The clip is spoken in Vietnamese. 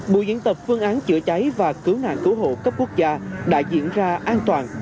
buổi diễn tập phương án chữa cháy và cứu nạn cứu hộ cấp quốc gia đã diễn ra an toàn